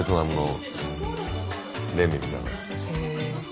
へえ。